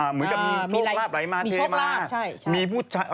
เหมือนจะมีโชคราบหลายมาเทมา